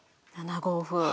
７五歩。